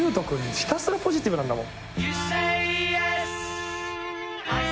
ひたすらポジティブなんだもん。